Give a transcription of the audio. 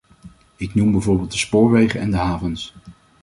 Ik noem bijvoorbeeld de spoorwegen en de havens.